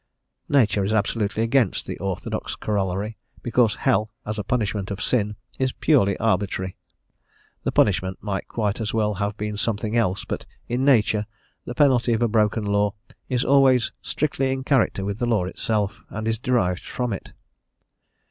Nature is absolutely against the orthodox corollary, because hell as a punishment of sin is purely arbitrary, the punishment might quite as well have been something else; but in nature the penalty of a broken law is always strictly in character with the law itself, and is derived from it.